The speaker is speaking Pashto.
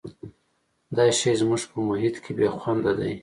دا شی زموږ په محیط کې بې خونده دی.